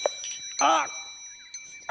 あっ！